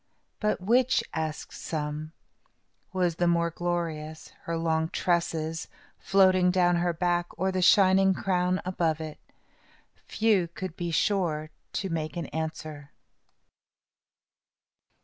"But which," asked some, "was the more glorious, her long tresses, floating down her back, or the shining crown above it?" Few could be sure in making answer.